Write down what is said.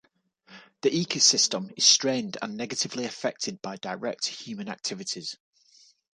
The ecosystem is strained and negatively affected by direct human activities.